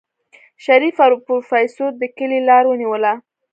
شريف او پروفيسر د کلي لار ونيوله.